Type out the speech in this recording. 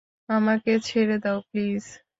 আমাকে ছেড়ে দেও, প্লিজ!